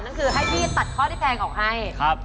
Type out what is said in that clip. นั่นคือให้พี่ตัดข้อที่แพงออกให้